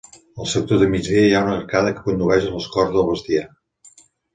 El sector de migdia hi ha una arcada que condueix a les corts del bestiar.